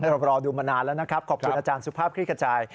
เรารอดูมานานแล้วนะครับขอบคุณอาจารย์สุภาพคลิกกระจาย